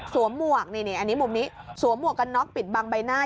หมวกนี่อันนี้มุมนี้สวมหมวกกันน็อกปิดบังใบหน้า